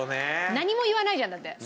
何も言わないじゃんだって。